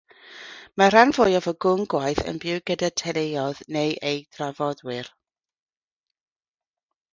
Mae'r rhan fwyaf o gŵn gwaith yn byw gyda'u teuluoedd neu eu trafodwyr.